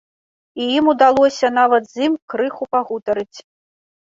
І ім удалося нават з ім крыху пагутарыць.